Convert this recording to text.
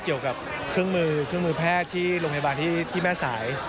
เกี่ยวกับเครื่องมือแพทย์ที่โรงพยาบาลที่แม่สาย